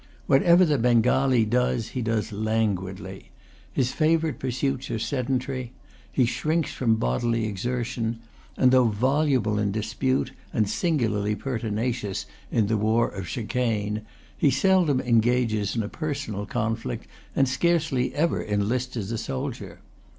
Whatever the Bengalee does he does languidly. His favourite pursuits are sedentary. He shrinks from bodily exertion; and, though voluble in dispute, and singularly pertinacious in the war of chicane, he seldom engages in a personal conflict, and scarcely ever enlists as a soldier.